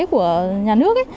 của nhà nước